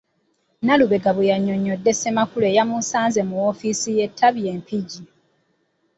Nalubega bwe yannyonnyodde Ssenkulu eyamusanze mu ofiisi y’ettabi e Mpigi.